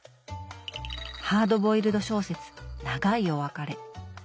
ハードボイルド小説「長いお別れ」